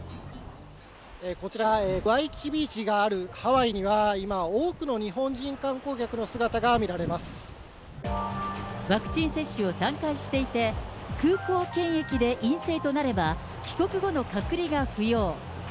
こちら、ワイキキビーチがあるハワイには今、多くの日本人観光客の姿が見ワクチン接種を３回していて、空港検疫で陰性となれば、帰国後の隔離が不要。